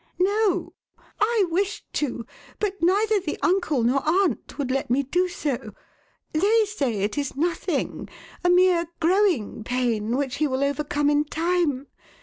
"No. I wished to, but neither the uncle nor aunt would let me do so. They say it is nothing a mere 'growing pain' which he will overcome in time.